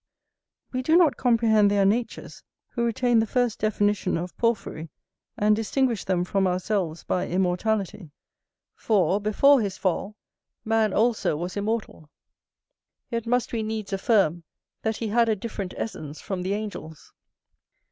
We do not comprehend their natures, who retain the first definition of Porphyry; and distinguish them from ourselves by immortality: for, before his fall, man also was immortal: yet must we needs affirm that he had a different essence from the angels.